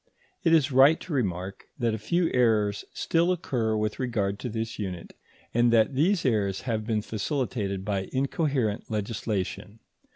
It is right to remark that a few errors still occur with regard to this unit, and that these errors have been facilitated by incoherent legislation.